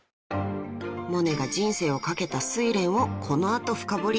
［モネが人生を懸けた『睡蓮』をこの後深掘り］